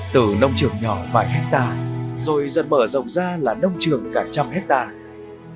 từ nông trường nhỏ vài hectare rồi dần mở rộng ra là nông trường cả trăm hectare